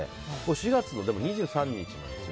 ４月の２３日なんですよ。